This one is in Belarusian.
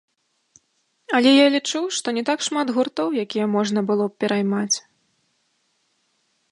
Але я лічу, што не так шмат гуртоў, якія можна было б пераймаць.